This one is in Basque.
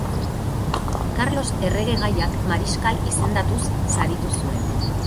Karlos erregegaiak mariskal izendatuz saritu zuen.